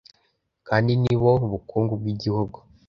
kandi ni bo bukungu bw’igihugu